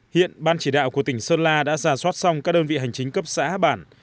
hiện ban chỉ đạo của tỉnh sơn la đã giả soát xong các đơn vị hành chính cấp xã bản